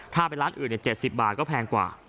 ถ้าไปร้านอื่นเนี่ย๗๐บาทก็แพงกว่า